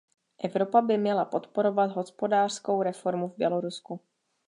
Evropa by měla podporovat hospodářskou reformu v Bělorusku.